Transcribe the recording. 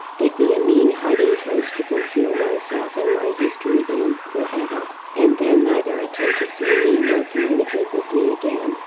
Get me a mean hiding place to conceal myself and my history in for ever, and then neither attempt to see me nor communicate with me again.